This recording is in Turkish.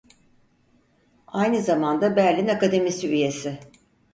Aynı zamanda Berlin Akademisi üyesi.